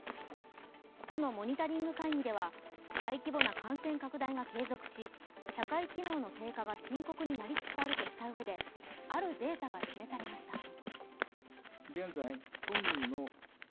都のモニタリング会議では、大規模な感染拡大が継続し、社会機能の低下が深刻になりつつあるとしたうえであるデータが示されました。